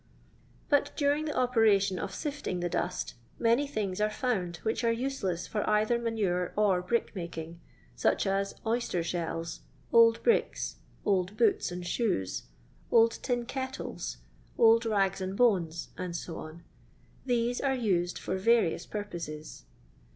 But during the operation of sifting the dust, many things are found which are useless for either manure or brick makings such as oyster shells, old bricks, old boots and shoas^ old tin kettles, old rags and bonesi && These are used for variooa purposes.